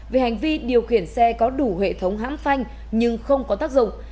về hành vi điều khiển xe có đủ hệ thống hãm phanh nhưng không có tác dụng